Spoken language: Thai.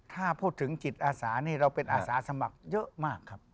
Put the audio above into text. ถ้าพูดถึงจิตอาสานี่เราเป็นอาสาสมัครเยอะมากครับ